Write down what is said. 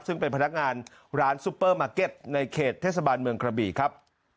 ซึ่งเป็นพนักงานร้านซุปเปอร์มาร์เก็ตในเขตเทศบาลเมืองกระบีครับ